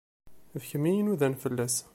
D kem i inudan fell-as.